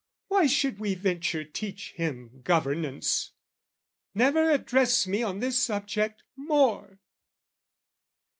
"Why should we venture teach Him governance? "Never address me on this subject more!"